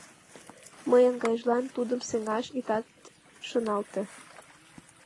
Мыйын гайжылан тудым сеҥаш — итат шоналте.